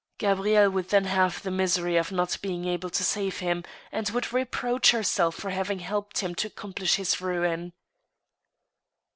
Gabrieile would then have the misery of not being able to save him, and would reproach herself for having helped him to accomplish his ruin.